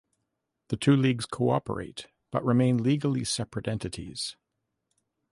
The two leagues cooperate but remain legally separate entities.